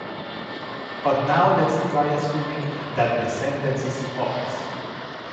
But now let's try assuming that the sentence is false.